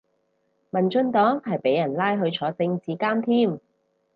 民進黨係俾人拉去坐政治監添